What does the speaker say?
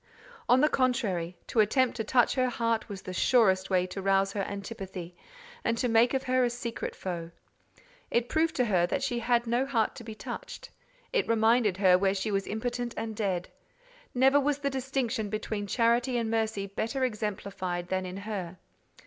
On the contrary, to attempt to touch her heart was the surest way to rouse her antipathy, and to make of her a secret foe. It proved to her that she had no heart to be touched: it reminded her where she was impotent and dead. Never was the distinction between charity and mercy better exemplified than in her.